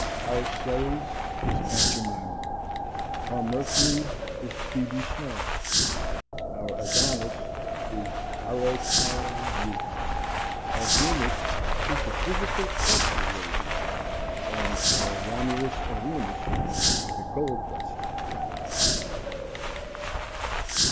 Our Ceres is Aunt Jemima; our Mercury is Phoebe Snow; our Adonis is the Arrow Collar youth; our Venus is the Physical Culture lady; and our Romulus and Remus are the Gold Dust Twins.